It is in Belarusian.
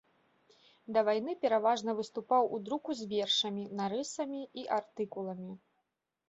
Да вайны пераважна выступаў у друку з вершамі, нарысамі і артыкуламі.